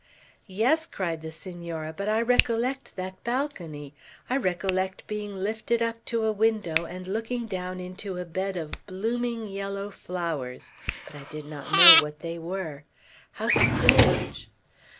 "Yes," cried the Senora, "but I recollect that balcony. I recollect being lifted up to a window, and looking down into a bed of blooming yellow flowers; but I did not know what they were. How strange!"